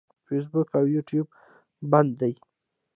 فیسبوک او یوټیوب بند دي.